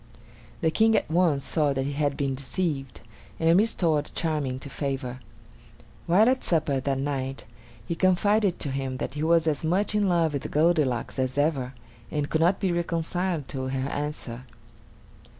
The King at once saw that he had been deceived, and restored Charming to favor. While at supper that night, he confided to him that he was as much in love with Goldilocks as ever, and could not be reconciled to her answer.